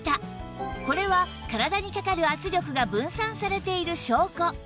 これは体にかかる圧力が分散されている証拠